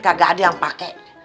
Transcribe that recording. kagak ada yang pakai